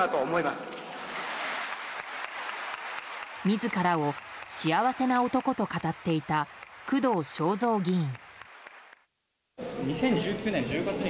自らを幸せな男と語っていた工藤彰三議員。